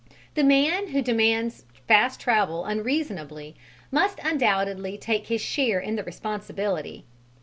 The man who demands fast travel unreasonably must undoubtedly take his share in the responsibility.